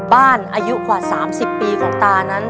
อายุกว่า๓๐ปีของตานั้น